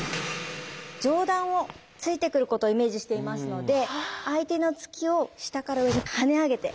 上段を突いてくることをイメージしていますので相手の突きを下から上にはね上げて。